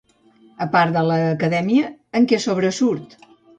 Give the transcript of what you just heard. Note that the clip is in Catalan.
A part de l'acadèmia, en què sobresurt?